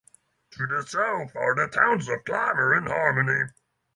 To the south are the towns of Clymer and Harmony.